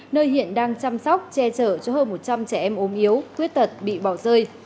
nơi hiện đang chăm sóc che chở cho hơn một trăm linh trẻ em ốm yếu khuyết tật bị bỏ rơi